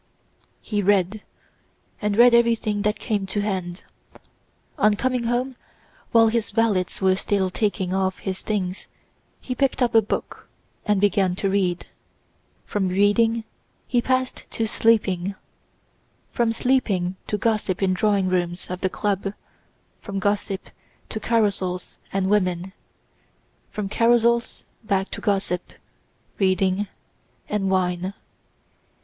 He read, and read everything that came to hand. On coming home, while his valets were still taking off his things, he picked up a book and began to read. From reading he passed to sleeping, from sleeping to gossip in drawing rooms of the club, from gossip to carousals and women; from carousals back to gossip, reading, and wine.